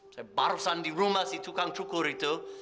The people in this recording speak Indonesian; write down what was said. saya barusan di rumah si tukang cukur itu